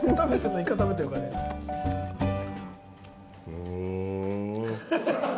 うん。